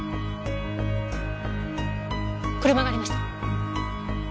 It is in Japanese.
車がありました。